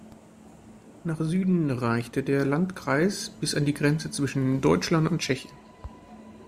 Nach Süden reichte der Landkreis bis an die Grenze zwischen Deutschland und Tschechien.